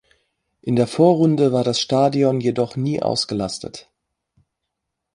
In der Vorrunde war das Stadion jedoch nie ausgelastet.